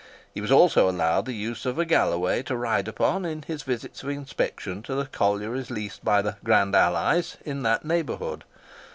He was also allowed the use of a galloway to ride upon in his visits of inspection to the collieries leased by the "Grand Allies" in that neighbourhood.